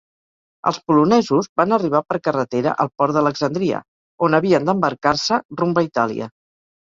Els polonesos van arribar per carretera al port d'Alexandria, on havien d'embarcar-se rumb a Itàlia.